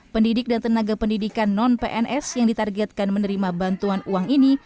pendidik dan tenaga pendidikan non pns yang ditargetkan menerima bantuan uang ini